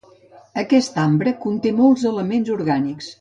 Aquest ambre conté molts elements orgànics.